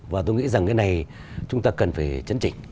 và tôi nghĩ rằng cái này chúng ta cần phải chấn chỉnh